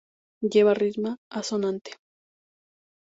Lleva rima asonante.